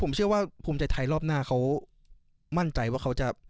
ผมเชื่อว่าภูมิใจไทยรอบหน้าเขามั่นใจว่าเขาจะ